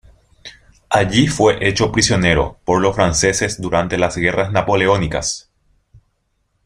Allí fue hecho prisionero por los franceses durante las guerras napoleónicas.